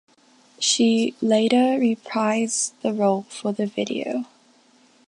She later reprised the role for the video.